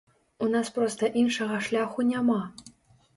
У нас проста іншага шляху няма.